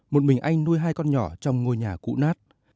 một mình anh nuôi hai con nhỏ trong ngôi nhà cũ nát